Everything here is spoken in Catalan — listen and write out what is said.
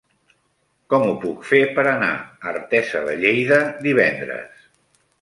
Com ho puc fer per anar a Artesa de Lleida divendres?